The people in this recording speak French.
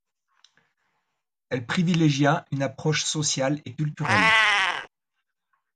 Elle privilégia une approche sociale et culturelle.